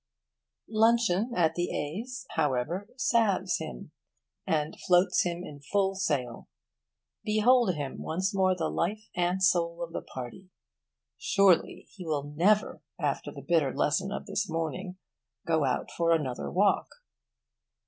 Luncheon at the A's, however, salves him and floats him in full sail. Behold him once more the life and soul of the party. Surely he will never, after the bitter lesson of this morning, go out for another walk.